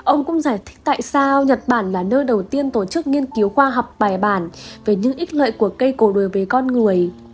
ông cũng giải thích tại sao nhật bản là nơi đầu tiên tổ chức nghiên cứu khoa học bài bản về những ít lợi của cây cổ đối với con người